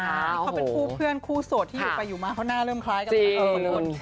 นี่เขาเป็นคู่เพื่อนคู่โสดที่อยู่ไปอยู่มาเขาหน้าเริ่มคล้ายกันหลายคน